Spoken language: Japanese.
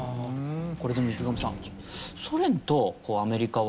これでも池上さん。